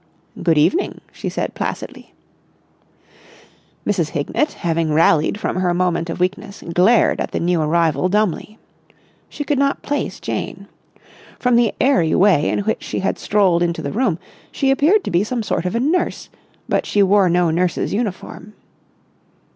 "Good evening," she said placidly. Mrs. Hignett, having rallied from her moment of weakness, glared at the new arrival dumbly. She could not place Jane. From the airy way in which she had strolled into the room, she appeared to be some sort of a nurse; but she wore no nurse's uniform.